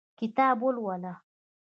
کتاب ولوله